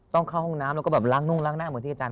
ต้องเข้าห้องน้ำแล้วล้างนู่งค์ความล้างหน้า